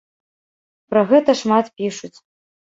Пра гэта шмат пішуць.